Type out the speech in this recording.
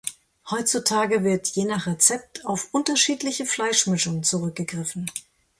Heutzutage wird je nach Rezept auf unterschiedliche Fleischmischungen zurückgegriffen.